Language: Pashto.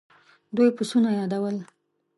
دوی پسونه يادول.